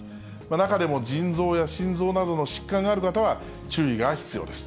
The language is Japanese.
中でも腎臓や心臓などの疾患がある方は、注意が必要です。